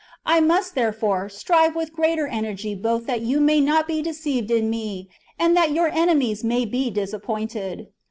I must, therefore, strive with the greater energy both that you may not be deceived in me, and that your enemies may be disappointed.